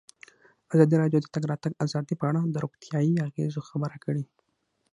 ازادي راډیو د د تګ راتګ ازادي په اړه د روغتیایي اغېزو خبره کړې.